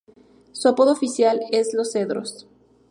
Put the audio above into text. Su apodo oficial es "Los Cedros".